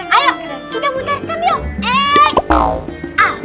ayo kita butehkan yuk